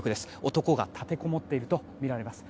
男が立てこもっているとみられます。